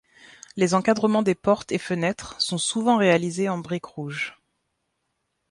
Les encadrements des portes et fenêtres sont souvent réalisés en briques rouges.